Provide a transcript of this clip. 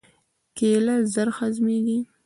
کېله ژر هضمېږي.